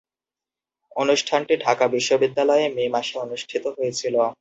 অনুষ্ঠানটি ঢাকা বিশ্ববিদ্যালয়ে মে মাসে অনুষ্ঠিত হয়েছিলো।